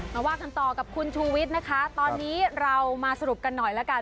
มาว่ากันต่อกับคุณชูวิทย์นะคะตอนนี้เรามาสรุปกันหน่อยละกัน